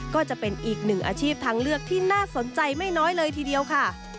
ก็จะเป็นอีกหนึ่งอาชีพทางเลือกที่น่าสนใจไม่น้อยเลยทีเดียวค่ะ